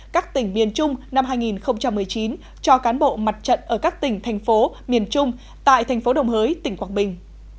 các tỉnh miền trung năm hai nghìn một mươi chín cho cán bộ mặt trận ở các tỉnh thành phố miền trung tại thành phố đồng hới tỉnh quảng bình